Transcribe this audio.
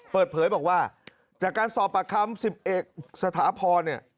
เปิดเผยบอกว่าจากการสอบปากคำ๑๑สถาพรเนี่ย